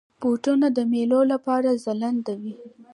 بوټونه د میلو لپاره ځلنده وي.